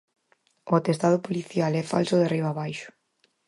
O atestado policial é falso de arriba a abaixo.